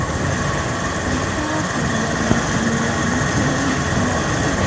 سلکتا پر یوې کلیوالې ټولنې حکومت کاوه.